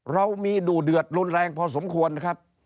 เรามีดูเดือดรุนแรงพอสมควรครับ